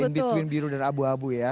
in between biru dan abu abu ya